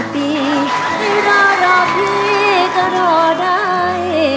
ให้รอรอพี่ก็รอได้